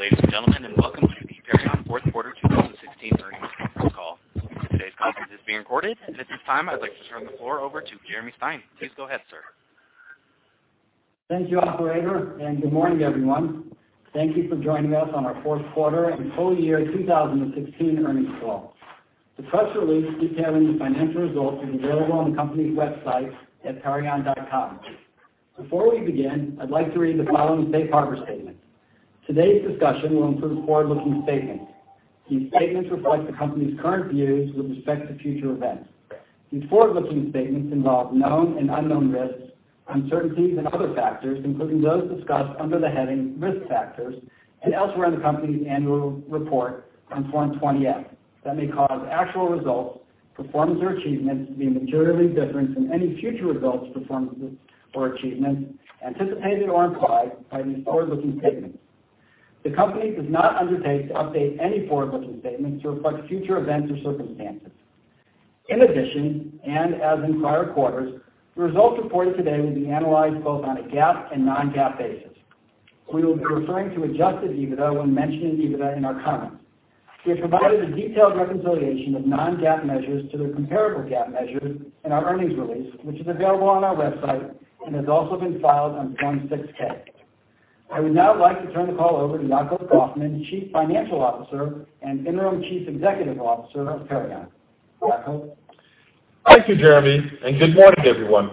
Good day, ladies and gentlemen. Welcome to the Perion fourth quarter 2016 earnings conference call. Today's conference is being recorded. At this time, I'd like to turn the floor over to Jeremy Stein. Please go ahead, sir. Thank you, operator. Good morning, everyone. Thank you for joining us on our fourth quarter and full year 2016 earnings call. The press release detailing the financial results is available on the company's website at perion.com. Before we begin, I'd like to read the following safe harbor statement. Today's discussion will include forward-looking statements. These statements reflect the company's current views with respect to future events. These forward-looking statements involve known and unknown risks, uncertainties, and other factors, including those discussed under the heading, risk factors, and elsewhere in the company's annual report on Form 20-F, that may cause actual results, performance or achievements to be materially different than any future results, performances or achievements anticipated or implied by these forward-looking statements. The company does not undertake to update any forward-looking statements to reflect future events or circumstances. In addition, as in prior quarters, the results reported today will be analyzed both on a GAAP and non-GAAP basis. We will be referring to adjusted EBITDA when mentioning EBITDA in our comments. We have provided a detailed reconciliation of non-GAAP measures to the comparable GAAP measures in our earnings release, which is available on our website and has also been filed on Form 6-K. I would now like to turn the call over to Yacov Kaufman, Chief Financial Officer and Interim Chief Executive Officer of Perion. Yacov? Thank you, Jeremy. Good morning, everyone.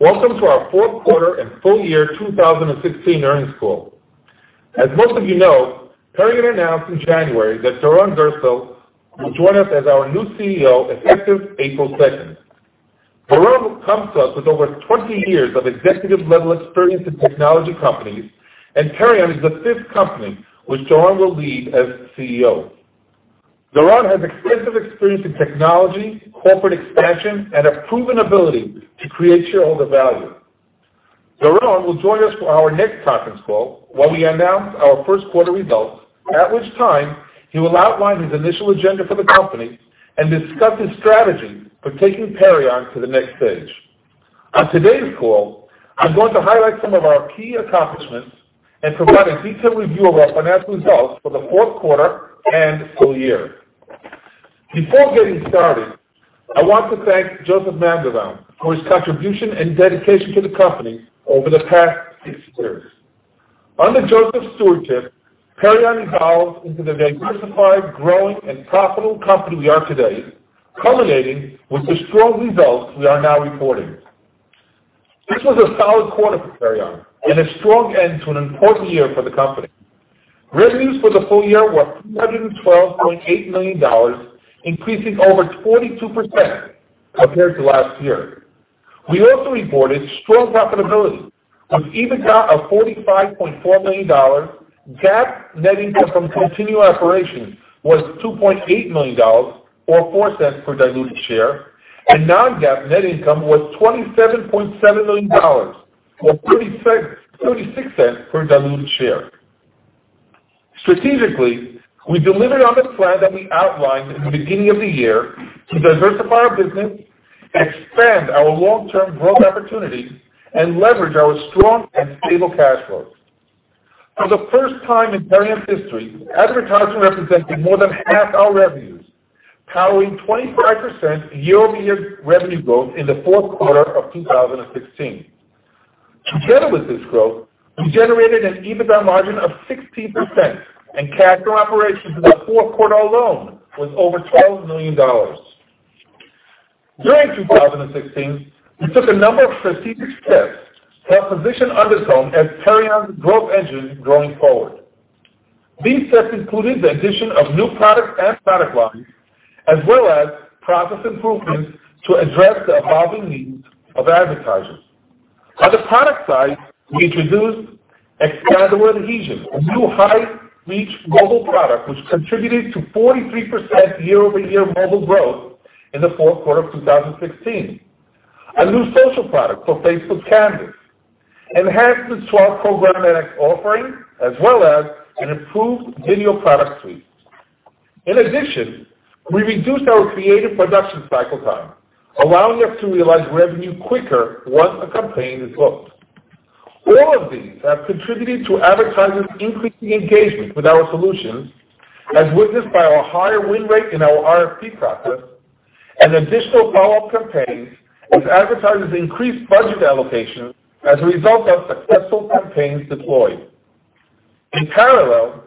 Welcome to our fourth quarter and full year 2016 earnings call. As most of you know, Perion announced in January that Doron Gerstel will join us as our new CEO effective April 2nd. Doron comes to us with over 20 years of executive-level experience in technology companies. Perion is the fifth company which Doron will lead as CEO. Doron has extensive experience in technology, corporate expansion, and a proven ability to create shareholder value. Doron will join us for our next conference call when we announce our first quarter results, at which time he will outline his initial agenda for the company and discuss his strategy for taking Perion to the next stage. On today's call, I'm going to highlight some of our key accomplishments and provide a detailed review of our financial results for the fourth quarter and full year. Before getting started, I want to thank Josef Mandelbaum for his contribution and dedication to the company over the past six years. Under Josef's stewardship, Perion evolved into the diversified, growing, and profitable company we are today, culminating with the strong results we are now reporting. This was a solid quarter for Perion and a strong end to an important year for the company. Revenues for the full year were $312.8 million, increasing over 42% compared to last year. We also reported strong profitability with EBITDA of $45.4 million, GAAP net income from continued operations was $2.8 million, or $0.04 per diluted share, and non-GAAP net income was $27.7 million, or $0.36 per diluted share. Strategically, we delivered on the plan that we outlined at the beginning of the year to diversify our business, expand our long-term growth opportunities, and leverage our strong and stable cash flows. For the first time in Perion's history, advertising represented more than half our revenues, powering 25% year-over-year revenue growth in the fourth quarter of 2016. Together with this growth, we generated an EBITDA margin of 16%, and cash from operations in the fourth quarter alone was over $12 million. During 2016, we took a number of strategic steps to help position Undertone as Perion's growth engine going forward. These steps included the addition of new products and product lines, as well as process improvements to address the evolving needs of advertisers. On the product side, we introduced Expandable Adhesion, a new high-reach mobile product which contributed to 43% year-over-year mobile growth in the fourth quarter of 2016, a new social product for Facebook Canvas, enhanced the SWAP programmatic offering, as well as an improved video product suite. In addition, we reduced our creative production cycle time, allowing us to realize revenue quicker once a campaign is booked. All of these have contributed to advertisers increasing engagement with our solutions, as witnessed by our higher win rate in our RFP process and additional follow-up campaigns as advertisers increased budget allocation as a result of successful campaigns deployed. In parallel,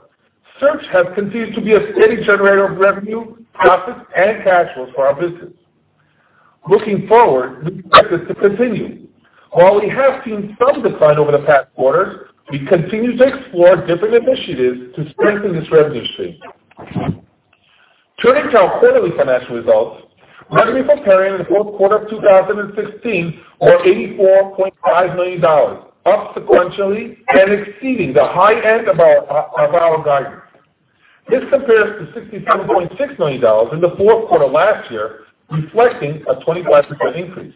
search has continued to be a steady generator of revenue, profits, and cash flows for our business. Looking forward, we expect this to continue. While we have seen some decline over the past quarter, we continue to explore different initiatives to strengthen this revenue stream. Turning to our quarterly financial results, revenue for Perion in the fourth quarter of 2016 was $84.5 million, up sequentially and exceeding the high end of our guidance. This compares to $67.6 million in the fourth quarter last year, reflecting a 25% increase.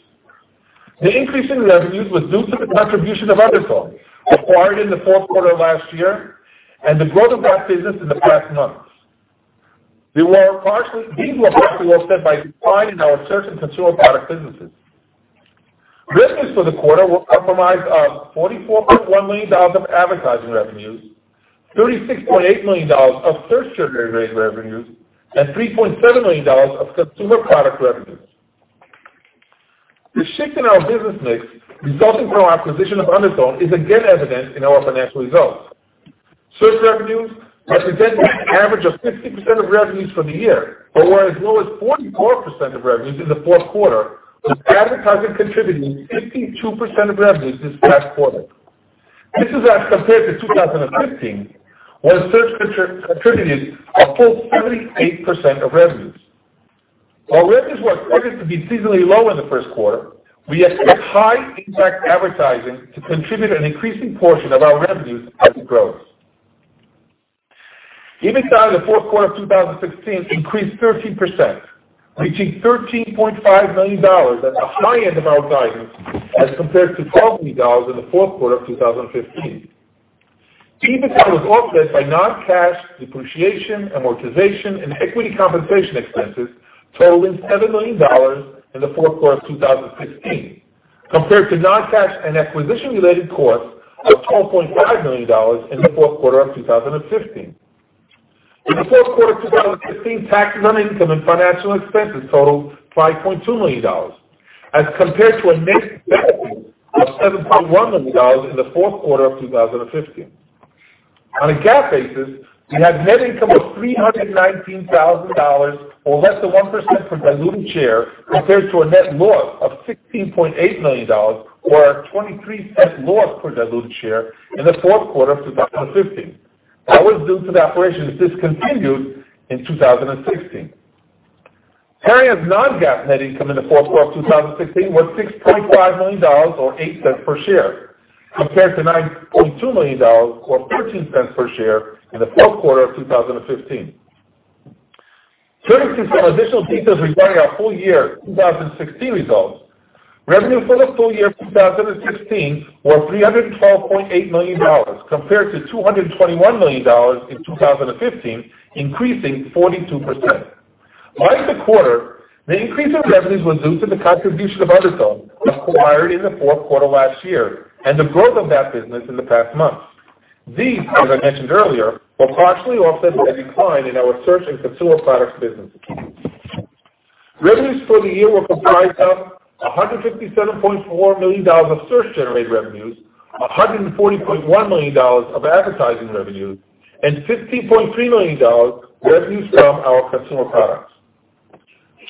The increase in revenues was due to the contribution of Undertone, acquired in the fourth quarter last year, and the growth of that business in the past months. These were partially offset by decline in our search and consumer product businesses. Revenues for the quarter were comprised of $44.1 million of advertising revenues, $36.8 million of search-generated revenues, and $3.7 million of consumer product revenues. The shift in our business mix resulting from our acquisition of Undertone is again evident in our financial results. Search revenues are typically an average of 60% of revenues for the year, but were as low as 44% of revenues in the fourth quarter, with advertising contributing 52% of revenues this past quarter. This is as compared to 2015, where search attributed a full 78% of revenues. While revenues were expected to be seasonally low in the first quarter, we expect High Impact Advertising to contribute an increasing portion of our revenues as it grows. EBITDA in the fourth quarter of 2016 increased 13%, reaching $13.5 million at the high end of our guidance as compared to $12 million in the fourth quarter of 2015. EBITDA was offset by non-cash depreciation, amortization, and equity compensation expenses totaling $7 million in the fourth quarter of 2016, compared to non-cash and acquisition-related costs of $12.5 million in the fourth quarter of 2015. In the fourth quarter of 2015, taxes on income and financial expenses totaled $5.2 million, as compared to a net benefit of $7.1 million in the fourth quarter of 2015. On a GAAP basis, we had net income of $319,000, or less than $0.01 per diluted share, compared to a net loss of $16.8 million or a $0.23 loss per diluted share in the fourth quarter of 2015. That was due to the operations discontinued in 2016. Perion's non-GAAP net income in the fourth quarter of 2016 was $6.5 million, or $0.08 per share, compared to $9.2 million or $0.13 per share in the fourth quarter of 2015. Turning to some additional details regarding our full year 2016 results. Revenue for the full year 2016 was $312.8 million, compared to $221 million in 2015, increasing 42%. Like the quarter, the increase in revenues was due to the contribution of Undertone, acquired in the fourth quarter last year, and the growth of that business in the past months. These, as I mentioned earlier, were partially offset by a decline in our search and consumer products businesses. Revenues for the year were comprised of $157.4 million of search-generated revenues, $140.1 million of advertising revenues, and $15.3 million revenues from our consumer products.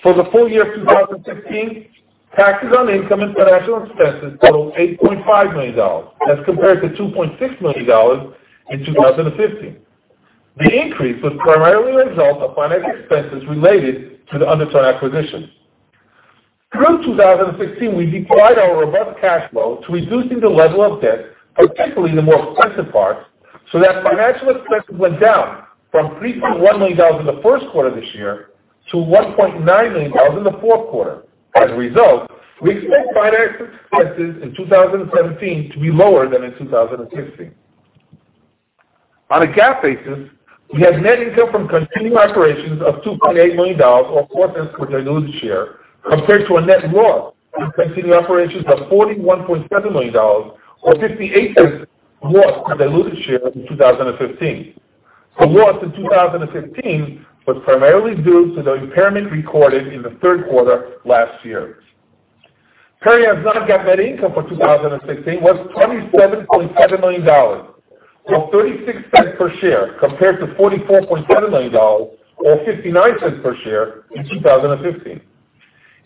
For the full year of 2016, taxes on income and financial expenses totaled $8.5 million, as compared to $2.6 million in 2015. The increase was primarily a result of financial expenses related to the Undertone acquisition. Through 2016, we deployed our robust cash flow to reducing the level of debt, particularly the more expensive parts, that financial expenses went down from $3.1 million in the first quarter of this year to $1.9 million in the fourth quarter. As a result, we expect financial expenses in 2017 to be lower than in 2016. On a GAAP basis, we had net income from continuing operations of $2.8 million or $0.04 per diluted share, compared to a net loss from continuing operations of $41.7 million or $0.58 loss per diluted share in 2015. The loss in 2015 was primarily due to the impairment recorded in the third quarter last year. Perion's non-GAAP net income for 2016 was $27.7 million, or $0.36 per share, compared to $44.7 million or $0.59 per share in 2015.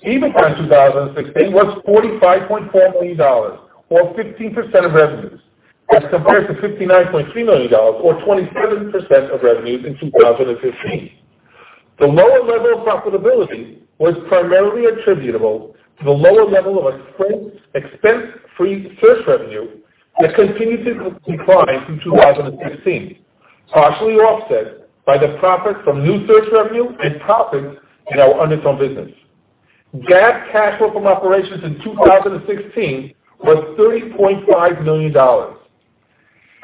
EBITDA in 2016 was $45.4 million or 15% of revenues, as compared to $59.3 million or 27% of revenues in 2015. The lower level of profitability was primarily attributable to the lower level of expense-free search revenue that continued to decline through 2016, partially offset by the profits from new search revenue and profits in our Undertone business. GAAP cash flow from operations in 2016 was $30.5 million.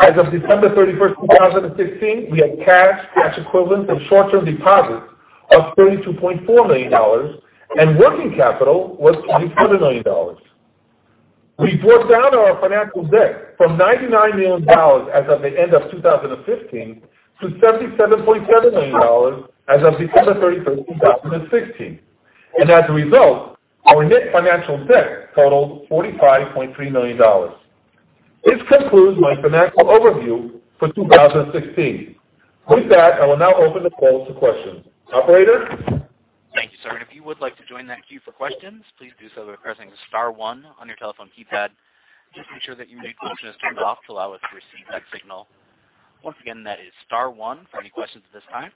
As of December 31st, 2016, we had cash equivalents, and short-term deposits of $32.4 million, and working capital was $24 million. We brought down our financial debt from $99 million as of the end of 2015 to $77.7 million as of December 31st, 2016. As a result, our net financial debt totaled $45.3 million. This concludes my financial overview for 2016. With that, I will now open the call to questions. Operator? Thank you, sir. If you would like to join that queue for questions, please do so by pressing star one on your telephone keypad. Just make sure that your mute function is turned off to allow us to receive that signal. Once again, that is star one for any questions at this time.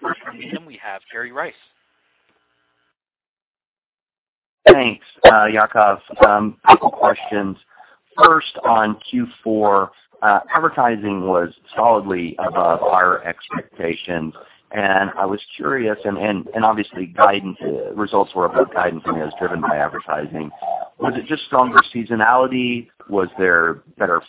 First from the queue, we have Terry Rice. Thanks, Yacov. A couple questions. First on Q4, advertising was solidly above our expectations. I was curious, and obviously results were above guidance and it was driven by advertising Was it just stronger seasonality? Was there better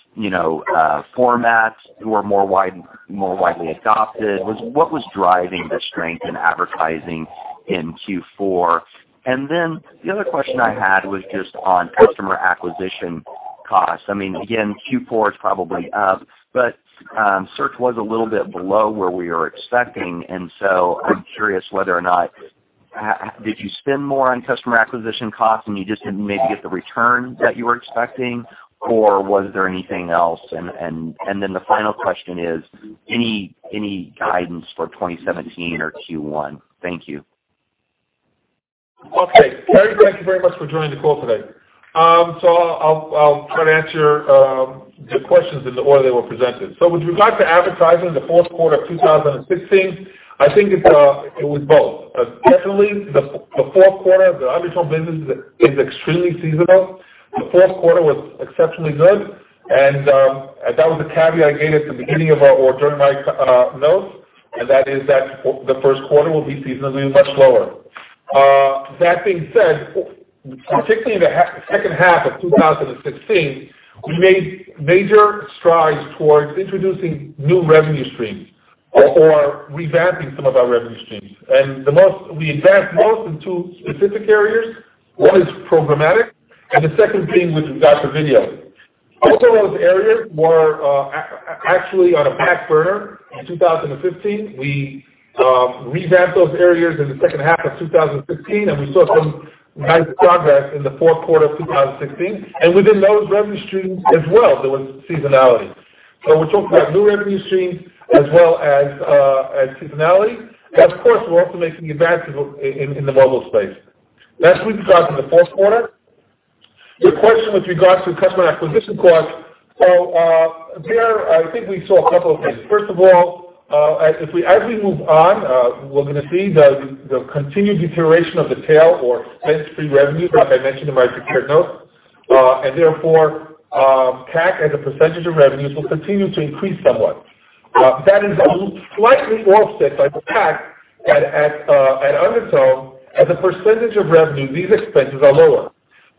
formats that were more widely adopted? What was driving the strength in advertising in Q4? The other question I had was just on customer acquisition costs. Again, Q4 is probably up, but search was a little bit below where we were expecting. I'm curious whether or not, did you spend more on customer acquisition costs and you just didn't maybe get the return that you were expecting? Was there anything else? The final question is, any guidance for 2017 or Q1? Thank you. Okay. Terry, thank you very much for joining the call today. I'll try to answer your questions in the order they were presented. With regard to advertising in the fourth quarter of 2016, I think it was both. Definitely, the fourth quarter of the Undertone business is extremely seasonal. The fourth quarter was exceptionally good, and that was the caveat I gave at the beginning of our, or during my notes, and that is that the first quarter will be seasonally much lower. That being said, particularly in the second half of 2016, we made major strides towards introducing new revenue streams or revamping some of our revenue streams. We advanced most in two specific areas. One is programmatic and the second thing with regard to video. Both of those areas were actually on a back burner in 2015. We revamped those areas in the second half of 2016. We saw some nice progress in the fourth quarter of 2016. Within those revenue streams as well, there was seasonality. We're talking about new revenue streams as well as seasonality. Of course, we're also making advances in the mobile space. That's with regard to the fourth quarter. Your question with regards to customer acquisition costs. There I think we saw a couple of things. First of all, as we move on, we're going to see the continued deterioration of the tail or expence-free revenue, as I mentioned in my prepared notes. Therefore, CAC as a percentage of revenues will continue to increase somewhat. That is slightly offset by the fact that at Undertone, as a percentage of revenue, these expenses are lower.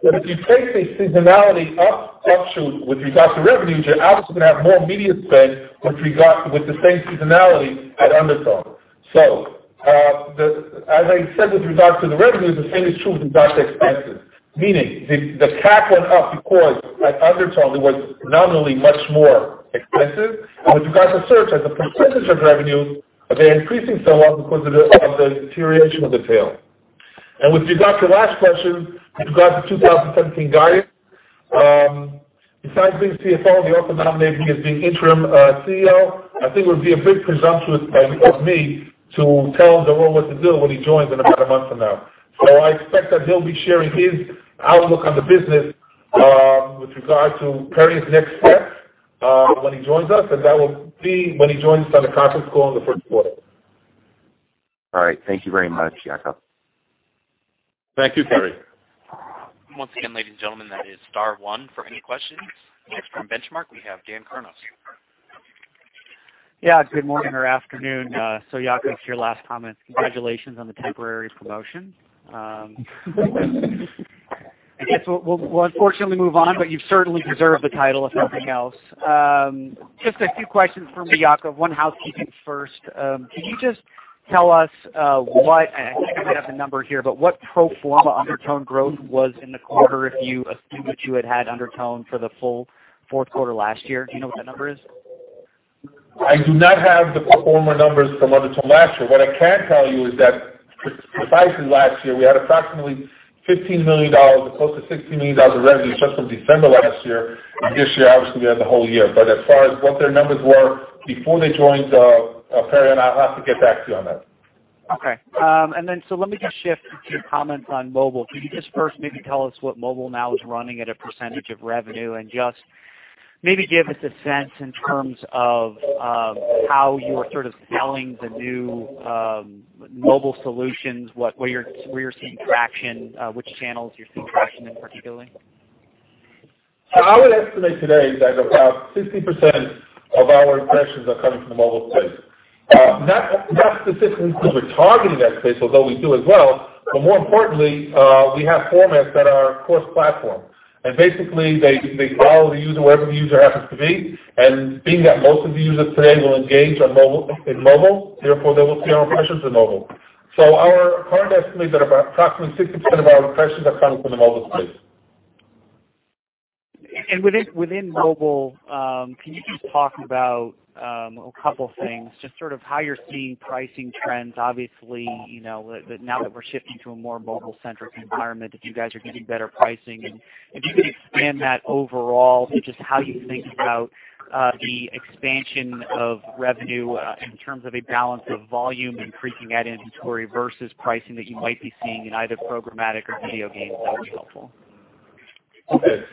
If you take a seasonality up shoot with regard to revenues, you're obviously going to have more media spend with the same seasonality at Undertone. As I said with regard to the revenues, the same is true with regard to expenses, meaning the CAC went up because at Undertone it was nominally much more expensive. With regards to search as a percentage of revenue, they're increasing somewhat because of the deterioration of the tail. With regards to your last question, with regards to 2017 guidance, besides being CFO, they also nominated me as being interim CEO. I think it would be a bit presumptuous of me to tell Doron what to do when he joins in about a month from now. I expect that he'll be sharing his outlook on the business, with regard to Perion next steps, when he joins us, and that will be when he joins on the conference call in the first quarter. All right. Thank you very much, Yacov. Thank you, Perry. Once again, ladies and gentlemen, that is star one for any questions. From Benchmark, we have Dan Kurnos. Yeah. Good morning or afternoon. Yacov, to your last comment, congratulations on the temporary promotion. I guess we'll unfortunately move on, but you certainly deserve the title if nothing else. Just a few questions from me, Yacov. One housekeeping first. Can you just tell us what, I think I might have the number here, but what pro forma Undertone growth was in the quarter if you assume that you had had Undertone for the full fourth quarter last year? Do you know what that number is? I do not have the pro forma numbers from Undertone last year. What I can tell you is that precisely last year, we had approximately $15 million, close to $16 million of revenue just from December last year, and this year obviously we had the whole year. As far as what their numbers were before they joined, Daniel, I'll have to get back to you on that. Okay. Let me just shift to your comments on mobile. Can you just first maybe tell us what mobile now is running at a % of revenue and just maybe give us a sense in terms of how you're sort of selling the new mobile solutions, where you're seeing traction, which channels you're seeing traction in particularly? I would estimate today that about 60% of our impressions are coming from the mobile space. Not specifically because we're targeting that space, although we do as well. More importantly, we have formats that are cross-platform. Basically, they follow the user wherever the user happens to be, and being that most of the users today will engage in mobile, therefore they will see our impressions in mobile. Our current estimate that approximately 60% of our impressions are coming from the mobile space. Within mobile, can you just talk about a couple of things, just sort of how you're seeing pricing trends, obviously, now that we're shifting to a more mobile-centric environment, if you guys are getting better pricing and if you could expand that overall to just how you think about the expansion of revenue in terms of a balance of volume, increasing ad inventory versus pricing that you might be seeing in either programmatic or video games, that would be helpful. Okay.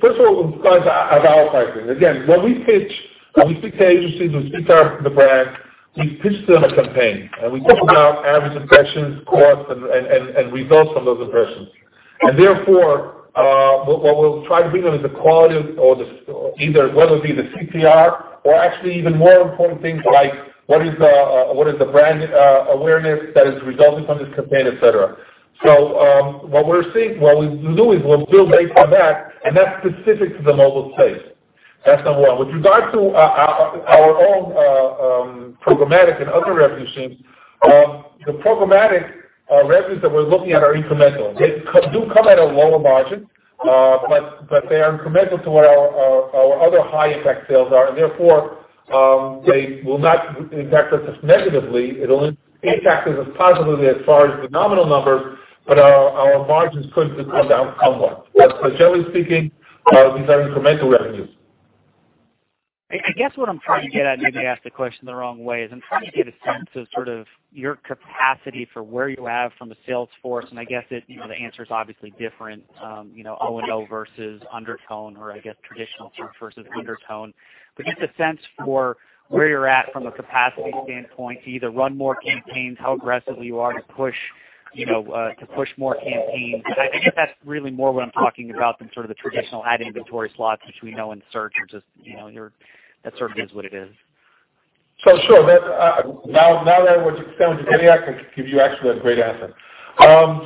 First of all, in terms of our pricing, again, when we pitch, when we speak to agencies, when we speak to the brand, we pitch them a campaign, and we talk about average impressions, costs and results from those impressions. What we'll try to bring them is the quality of, either whether it be the CTR or actually even more important things like what is the brand awareness that is resulting from this campaign, et cetera. What we do is we'll build based on that, and that's specific to the mobile space. That's number one. With regard to our own programmatic and other revenue streams, the programmatic revenues that we're looking at are incremental. They do come at a lower margin, but they are incremental to what our other high-impact sales are, and therefore, they will not impact us negatively. It'll impact us positively as far as the nominal number, but our margins could come down somewhat. Generally speaking, these are incremental revenues. I guess what I'm trying to get at, maybe I asked the question the wrong way, is I'm trying to get a sense of your capacity for where you have from a sales force, and I guess the answer is obviously different, O&O versus Undertone, or I guess traditional search versus Undertone. Just a sense for where you're at from a capacity standpoint to either run more campaigns, how aggressive you are to push more campaigns. I guess that's really more what I'm talking about than the traditional ad inventory slots, which we know in search that sort of is what it is. Sure. Now that I know what you're getting at, I can give you actually a great answer. I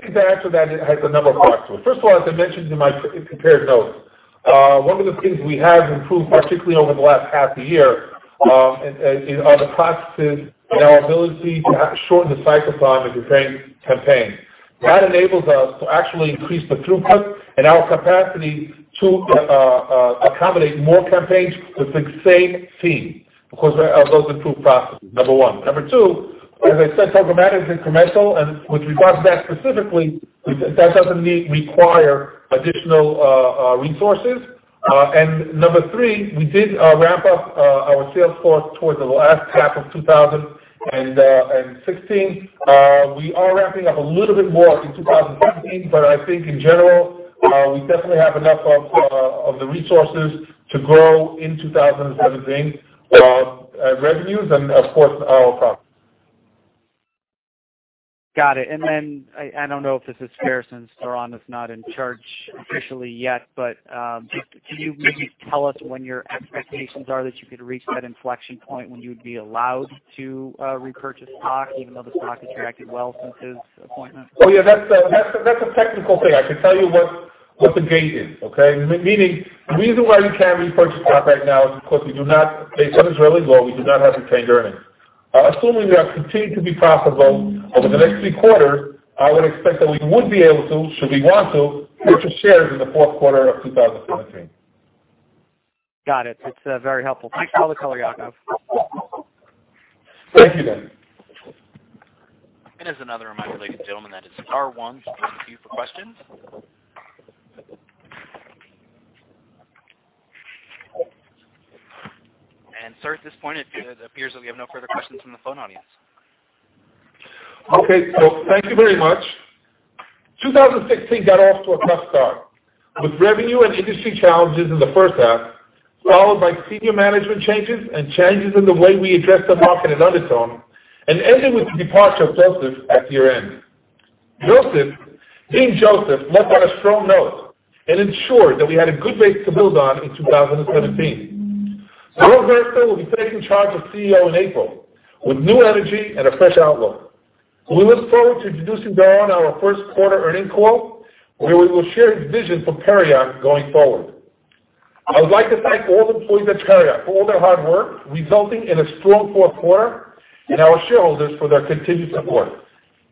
think the answer to that has a number of parts to it. First of all, as I mentioned in my prepared notes, one of the things we have improved, particularly over the last half a year, are the processes and our ability to shorten the cycle time of campaigns. That enables us to actually increase the throughput and our capacity to accommodate more campaigns with the same team because of those improved processes. Number one. Number two, as I said, programmatic is incremental, and with regards to that specifically, that doesn't require additional resources. Number three, we did ramp up our sales force towards the last half of 2016. We are ramping up a little bit more in 2017, but I think in general, we definitely have enough of the resources to grow in 2017, revenues and of course our profits. Got it. I don't know if this is fair since Doron Gerstel is not in charge officially yet, but can you maybe tell us when your expectations are that you could reach that inflection point when you would be allowed to repurchase stock, even though the stock has tracked it well since his appointment? Yeah. That's a technical thing. I can tell you what the gate is, okay? Meaning, the reason why you can't repurchase stock right now is because based on Israeli law, we do not have retained earnings. Assuming we are continued to be profitable over the next three quarters, I would expect that we would be able to, should we want to, purchase shares in the fourth quarter of 2017. Got it. It's very helpful. Thanks for the color, Yacov. Thank you, Daniel. As another reminder, ladies and gentlemen, that is star one to queue for questions. Sir, at this point, it appears that we have no further questions from the phone audience. Okay. Thank you very much. 2016 got off to a tough start, with revenue and industry challenges in the first half, followed by senior management changes and changes in the way we address the market at Undertone, and ended with the departure of Josef at year-end. Josef Mandelbaum left on a strong note and ensured that we had a good base to build on in 2017. Doron Gerstel will be taking charge as CEO in April with new energy and a fresh outlook. We look forward to introducing Doron on our first quarter earnings call, where we will share his vision for Perion going forward. I would like to thank all the employees at Perion for all their hard work resulting in a strong fourth quarter and our shareholders for their continued support.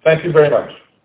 Thank you very much.